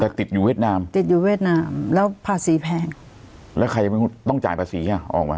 แต่ติดอยู่เวียดนามติดอยู่เวียดนามแล้วภาษีแพงแล้วใครต้องจ่ายภาษีอ่ะออกมา